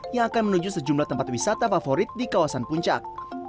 yang akan menuju sejumlah tempat wisata favorit di kawasan puncak